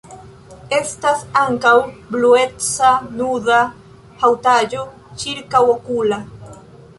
Estas ankaŭ blueca nuda haŭtaĵo ĉirkaŭokula.